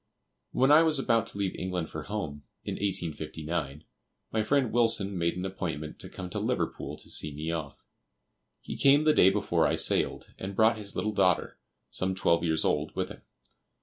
When I was about to leave England for home, in 1859, my friend Wilson made an appointment to come to Liverpool to see me off. He came the day before I sailed, and brought his little daughter, some twelve years old, with him.